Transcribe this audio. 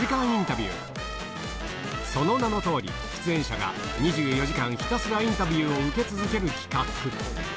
その名の通り出演者が２４時間ひたすらインタビューを受け続ける企画